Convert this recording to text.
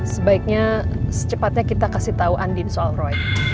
sebaiknya secepatnya kita kasih tau andien soal roy